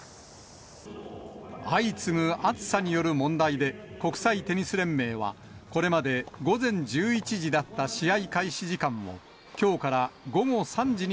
相次ぐ暑さによる問題で、国際テニス連盟は、これまで午前１１時だった試合開始時間を、きょうから午後３時に